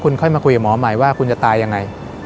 คุณค่อยมาคุยกับหมอใหม่ว่าคุณจะตายยังไง